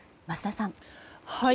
桝田さん。